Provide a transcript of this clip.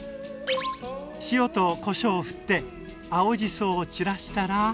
塩とこしょうをふって青じそを散らしたら。